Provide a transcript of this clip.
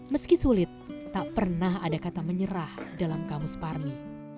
meski sulit tak pernah ada kata menyerah dalam kamus parmi